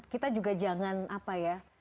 kita juga jangan apa ya